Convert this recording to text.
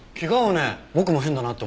僕も変だなって思ってたの。